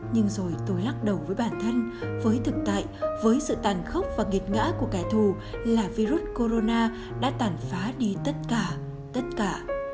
nhưng rồi tôi lắc đầu với bản thân với thực tại với sự tàn khốc và nghiệt ngã của kẻ thù là virus corona đã tàn phá đi tất cả tất cả